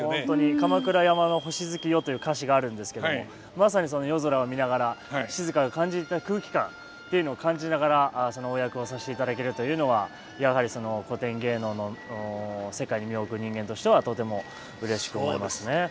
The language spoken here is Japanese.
「鎌倉山の星月夜」という歌詞があるんですけどもまさにその夜空を見ながら静が感じた空気感っていうのを感じながらそのお役をさせていただけるというのはやはり古典芸能の世界に身を置く人間としてはとてもうれしく思いますね。